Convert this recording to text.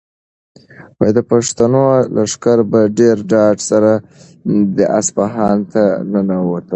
د پښتنو لښکر په ډېر ډاډ سره اصفهان ته ننووت.